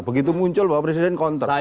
begitu muncul bahwa presiden konter